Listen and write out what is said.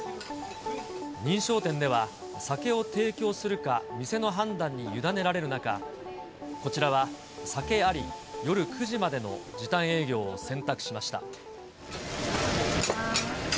認証店では、酒を提供するか、店の判断にゆだねられる中、こちらは、酒あり、夜９時までの時短営業を選択しました。